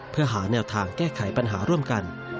เพื่อหาแนวทางแก้ไขปัญหาร่วมกัน